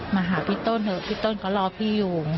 มาหาพี่ต้นเถอะพี่ต้นก็รอพี่อยู่